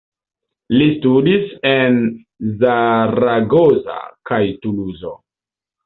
Li studis en Zaragoza kaj Tuluzo.